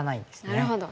なるほど。